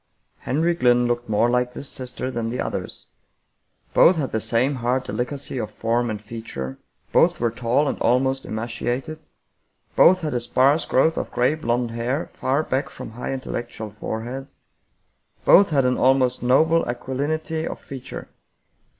Henry Glynn looked more like this sister than the others. Both had the same hard delicacy of form and feature, both were tall and almost emaciated, both had a sparse growth of gray blond hair far back from high intellectual foreheads, both had an almost noble aquilinity of feature.